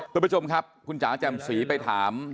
ทุกประชมครับคุณจ๋าแจ้มศรีไปถาม